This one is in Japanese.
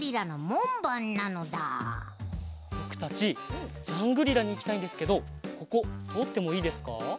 ぼくたちジャングリラにいきたいんですけどこことおってもいいですか？